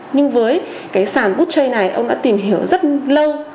nhưng với cái sàn bút chây này ông đã tìm hiểu rất lâu